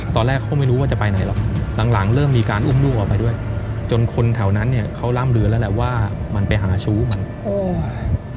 ตอนแรกเขาไม่รู้ว่าจะไปไหนหรอกหลังหลังเริ่มมีการอุ้มลูกออกไปด้วยจนคนแถวนั้นเนี่ยเขาร่ำลือแล้วแหละว่ามันไปหาชู้มันโอ้ย